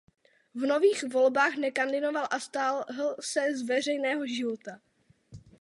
V nových volbách nekandidoval a stáhl se z veřejného života.